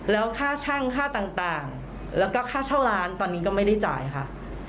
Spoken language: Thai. แล้วค่าช่างค่าต่างแล้วก็ค่าเช่าร้านตอนนี้ก็ไม่ได้จ่ายค่ะ